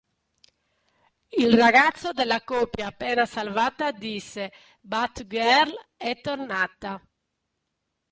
Il ragazzo della coppia appena salvata disse "Batgirl è tornata!".